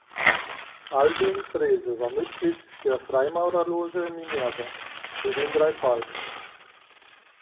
Albin Frehse war Mitglied der Freimaurerloge Minerva zu den drei Palmen.